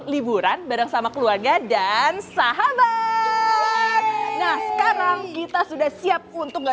liburan bareng sama keluarga dan sahabat nah sekarang kita sudah siap untuk gak